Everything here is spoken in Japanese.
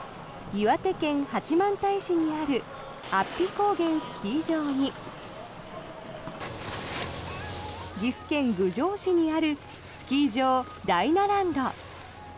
岩手県八幡平市にある安比高原スキー場に岐阜県郡上市にあるスキー場、ダイナランド。